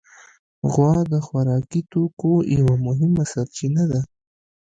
غوا د خوراکي توکو یوه مهمه سرچینه ده.